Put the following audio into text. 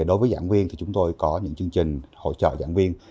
đối với giảng viên thì chúng tôi có những chương trình hỗ trợ giảng viên